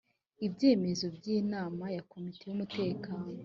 ibyemezo by inama ya komite y umutekano